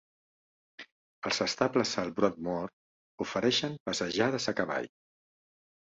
Els estables al Broadmoor ofereixen passejades a cavall.